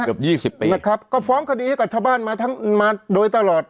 เกือบ๒๐ปีนะครับก็ฟ้องคดีให้กับชาวบ้านมาโดยตลอด